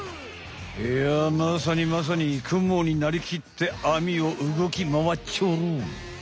いやまさにまさにクモになりきって網を動き回っちょる。